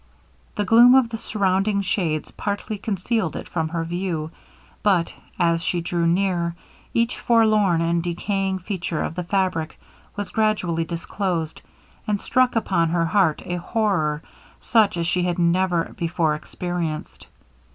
The gloom of the surrounding shades partly concealed it from her view; but, as she drew near, each forlorn and decaying feature of the fabric was gradually disclosed, and struck upon her heart a horror such as she had never before experienced.